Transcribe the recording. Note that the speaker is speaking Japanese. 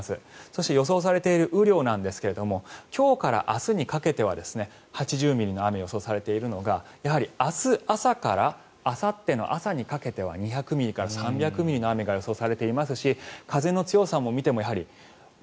そして予想されている雨量なんですが今日から明日にかけては８０ミリの雨が予想されているのが明日朝からあさっての朝にかけては２００ミリから３００ミリの雨が予想されていますし風の強さを見ても６５ｍ。